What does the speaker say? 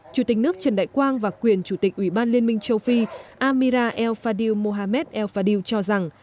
chủ tịch nước trần đại quang và quyền chủ tịch ủy ban liên minh châu phi amira el fadil mohamed el fadil cho rằng